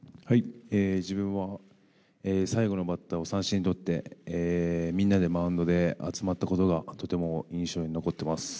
自分は最後のバッターを三振に取って、みんなでマウンドで集まったことがとても印象に残ってます。